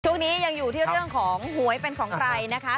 ช่วงนี้ยังอยู่ที่เรื่องของหวยเป็นของใครนะคะ